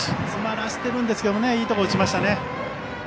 詰まらせているんですがいいところに打ちましたね。